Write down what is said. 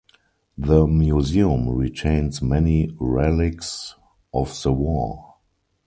The museum retains many relics of the war.